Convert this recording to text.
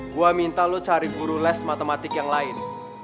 gua minta lu cari guru les matematik yang lain